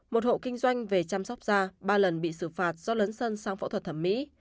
một hộ kinh doanh về chăm sóc da ba lần bị xử phạt do lấn sân sang phẫu thuật thẩm mỹ